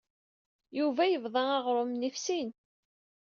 Yuba yebḍa aɣrum-nni ɣef sin.